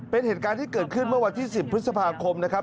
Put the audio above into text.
เป็นเหตุการณ์ที่เกิดขึ้นเมื่อวันที่๑๐พฤษภาคมนะครับ